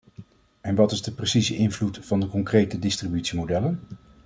En wat is de precieze invloed van de concrete distributiemodellen?